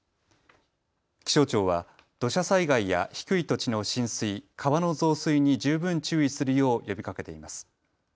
気象庁は土砂災害や低い土地の浸水、川の増水に十分注意するよう呼びかけています。